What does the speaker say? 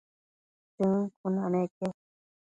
Chën cuna neque